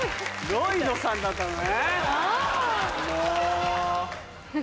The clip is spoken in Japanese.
ロイドさんだったのね。